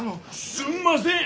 ・すんません。